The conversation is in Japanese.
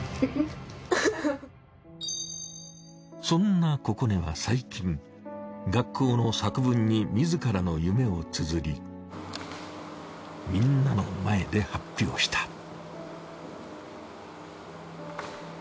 そんな心寧は最近学校の作文に自らの夢を綴りみんなの前で発表した。